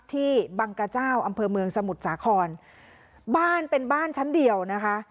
ที่บังกระเจ้าอำเภอเมืองสมุทรสาครบ้านเป็นบ้านชั้นเดียวนะคะ